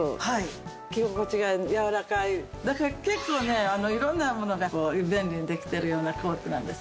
だから結構ね色んなものがこう便利にできてるようなコートなんです。